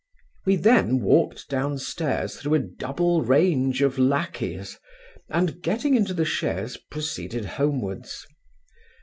We then walked down stairs through a double range of lacqueys, and getting into the chaise, proceeded homewards.